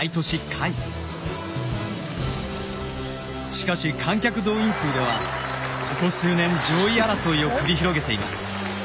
しかし観客動員数ではここ数年上位争いを繰り広げています。